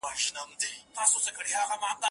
دا کتاب ستا د موضوع لپاره ډېر ګټور دی.